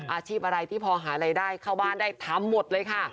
อาชีพอะไรที่พอหารายได้เข้าบ้านได้ทำหมดเลยค่ะ